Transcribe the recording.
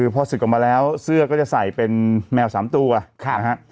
พอศึกออกมาแล้วเสื้อก็จะใส่เป็นแมว๓ตัวนะฮะ